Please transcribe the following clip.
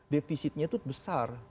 defisitnya itu besar